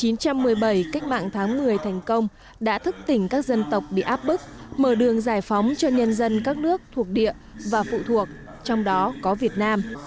năm hai nghìn một mươi bảy cách mạng tháng một mươi thành công đã thức tỉnh các dân tộc bị áp bức mở đường giải phóng cho nhân dân các nước thuộc địa và phụ thuộc trong đó có việt nam